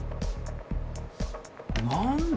何だ？